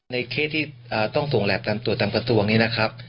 เคสที่ต้องส่งแล็บตามตรวจตามกระทรวงนี้นะครับ